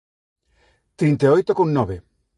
Trinta e oito con nove!